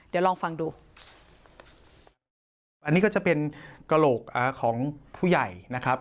เดี๋ยวลองฟังดูอันนี้ก็จะเป็นกระโหลกอ่าของผู้ใหญ่นะครับ